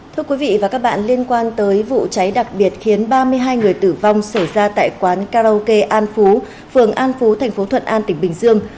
thưa quý vị và các bạn liên quan tới vụ cháy đặc biệt khiến ba mươi hai người tử vong xảy ra tại quán karaoke an phú phường an phú thành phố thuận an tỉnh bình dương